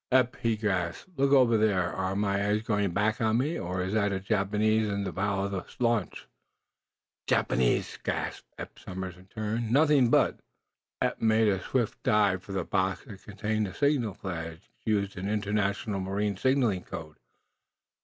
"Eph," he gasped, "look over there! Are my eyes going back on me, or is that a Japanese in the bow of the launch?" "Japanese?" gasped Eph Somers, in turn. "Nothing but!" Eph made a swift dive for the box that contained the signal flags used in the international marine signaling code.